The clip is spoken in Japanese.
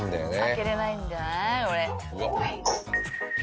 開けれないんじゃない？